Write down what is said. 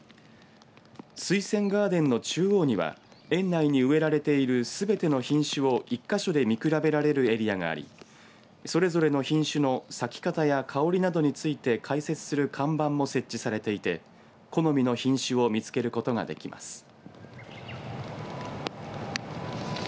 スイセンガーデンの中央には園内に植えられているすべての品種を１か所で見比べられるエリアがありそれぞれの品種の咲き方や香りなどについて解説する看板も設置されていて好みの品種を見つけることができます。